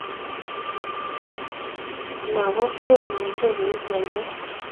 Lakok kumuchi kuip walet